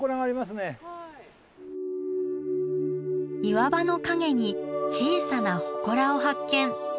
岩場の陰に小さな祠を発見。